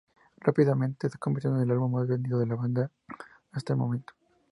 Rápidamente se convirtió en el álbum más vendido de la banda hasta el momento.